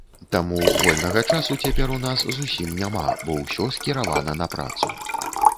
Таму вольнага часу цяпер у нас зусім няма, бо ўсё скіравана на працу.